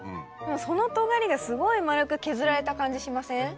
そのとがりが丸く削られた感じしません？